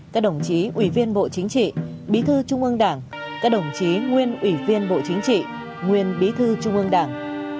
các đồng chí ủy viên bộ chính trị bí thư trung ương đảng các đồng chí nguyên ủy viên bộ chính trị nguyên bí thư trung ương đảng